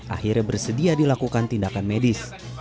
akhirnya bersedia dilakukan tindakan medis